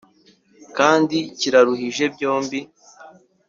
kandi kiraruhije byombi!